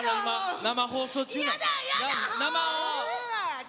生放送中。